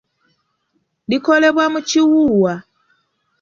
Likolebwa mu kiwuuwa.